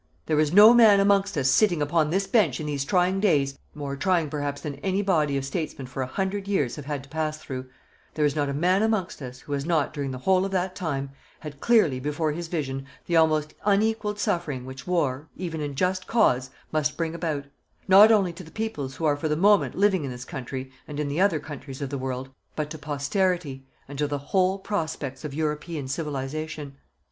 There is no man amongst us sitting upon this bench in these trying days more trying perhaps than any body of statesmen for a hundred years have had to pass through, there is not a man amongst us who has not, during the whole of that time, had clearly before his vision the almost unequalled suffering which war, even in just cause, must bring about, not only to the peoples who are for the moment living in this country and in the other countries of the world, but to posterity and to the whole prospects of European civilization.